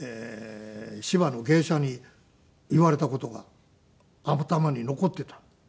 芝の芸者に言われた事が頭に残っていたの。